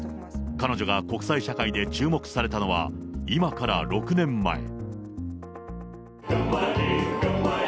彼女が国際社会で注目されたのは、今から６年前。